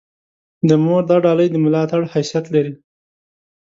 د مور دا ډالۍ د ملاتړ حیثیت لري.